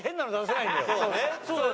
そうだよ。